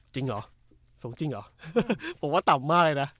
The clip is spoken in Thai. จริงเหรอสูงจริงเหรอผมว่าต่ำมากเลยนะ